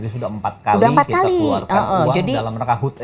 jadi sudah empat kali kita keluarkan uang dalam rangka hud ri